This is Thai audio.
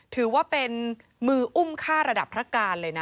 ถือว่าเป็นมืออุ้มฆ่าระดับพระการเลยนะ